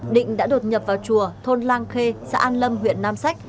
định đã đột nhập vào chùa thôn lan khê xã an lâm huyện nam sách